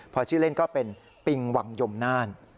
พอชื่อเล่นก็เป็นปิงวังยมน่าน